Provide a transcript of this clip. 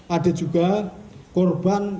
ada juga korban